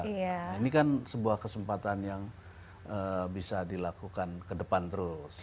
ini kan sebuah kesempatan yang bisa dilakukan kedepan terus